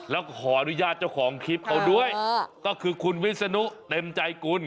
แล้วขออนุญาตเจ้าของคลิปเขาด้วยก็คือคุณวิศนุเต็มใจกุล